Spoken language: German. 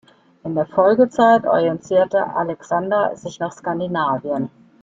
In der Folgezeit orientierte Alexander sich nach Skandinavien.